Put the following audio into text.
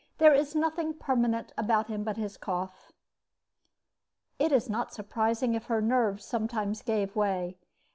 There is nothing permanent about him but his cough. It is not surprising if her nerves sometimes gave way.